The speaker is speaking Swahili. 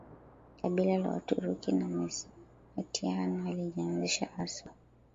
kabila la Waturuki wa Meskhetian halijaanzishwa haswa